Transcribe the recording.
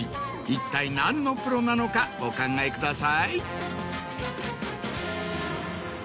一体何のプロなのかお考えください。